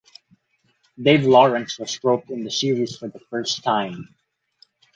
Dave Lawrence was roped in the series for the first time.